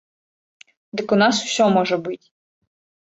Дык у нас усё можа быць!